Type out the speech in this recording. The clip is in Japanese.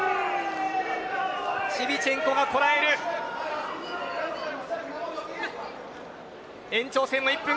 シビチェンコがこらえました。